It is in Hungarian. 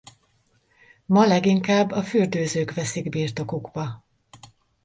Ma leginkább a fürdőzők veszik birtokukba.